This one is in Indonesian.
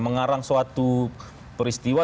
mengarang suatu peristiwa